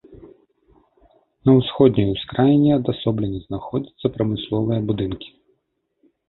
На ўсходняй ускраіне адасоблена знаходзяцца прамысловыя будынкі.